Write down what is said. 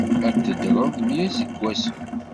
Ad teddreḍ mya iseggasen.